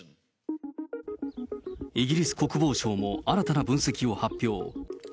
イギリス国防省も新たな分析を発表。